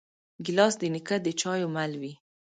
ګیلاس د نیکه د چایو مل وي.